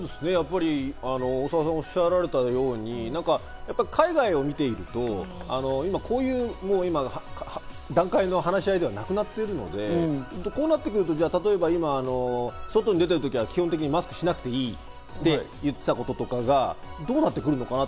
大沢さんがおっしゃられたように、海外を見ていると、今、こういう段階の話し合いではなくなっているので、こうなってくると外に出てる時は基本的にマスクしなくていいって言ってたこととかが、どうなってくるのかな？